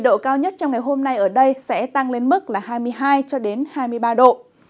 độ cao nhất trong ngày hôm nay ở đây sẽ tăng lên mức là hai mươi hai cho đến hai mươi ba độ